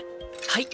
はい。